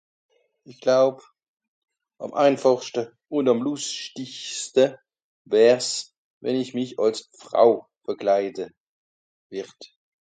isch glaub àm einfàchschte ùn àm lustischste wärs wenn ìsch mich àls frau beklaide wìrt